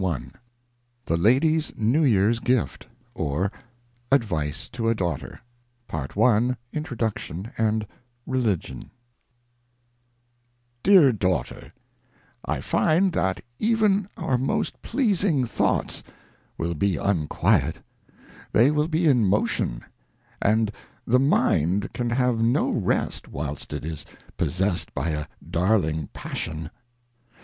(O THE Lady's New Year's Gift : OR, ADVICE TO A DAUGHTER Dear Daughter, IFind^ that even our most pleasing Thoughts will be un quiet; they will be in motion ; and the Mind can have no rest vrhilst it is possessed by a dariing Passion.